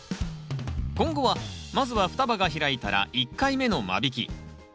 今後はまずは双葉が開いたら１回目の間引き。